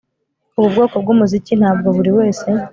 Ubu bwoko bwumuziki ntabwo buriwese